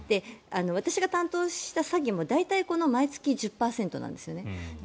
私が担当した詐欺も大体、毎月１０％なんですね。